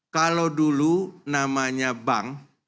kalau dulu namanya bank